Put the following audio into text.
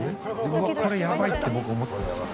うわ、これやばいって僕、思ったんですよ。